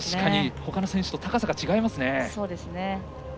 ほかの選手と高さが違いますね。